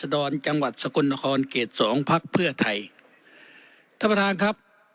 ดรจังหวัดสกลนครเกตสองพักเพื่อไทยท่านประธานครับ